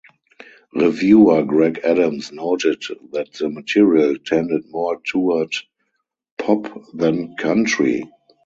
Reviewer Greg Adams noted that the material tended more toward pop than country.